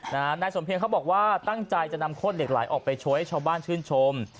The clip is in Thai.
นายสมเพียงเขาบอกว่าตั้งใจจะนำโคตรเหล็กไหลออกไปโชว์ให้ชาวบ้านชื่นชม